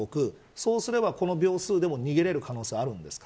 そうすれば、この秒数でも逃げれる可能性があるんですか。